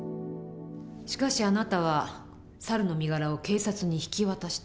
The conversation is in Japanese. しかしあなたは猿の身柄を警察に引き渡した。